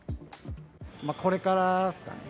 これからですかね。